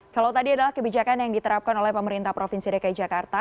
kalau tadi adalah kebijakan yang diterapkan oleh pemerintah provinsi dki jakarta